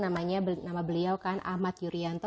namanya nama beliau kan ahmad yuryanto